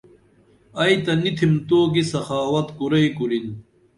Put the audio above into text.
ائی تہ نی تِھم تو کی سخاوت کُرئی کُرِن